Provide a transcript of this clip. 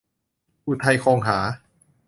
อุทัย คงหา